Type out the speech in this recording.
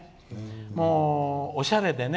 もう、おしゃれでね。